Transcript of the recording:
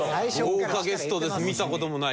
豪華ゲストです見た事もない。